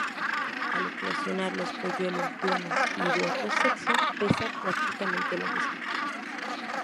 Al eclosionar, los polluelos de uno y otro sexo pesan prácticamente lo mismo.